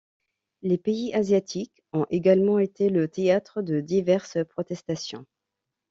Les pays asiatiques ont également été le théâtre de diverses protestations.